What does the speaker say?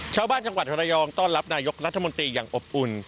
จังหวัดระยองต้อนรับนายกรัฐมนตรีอย่างอบอุ่น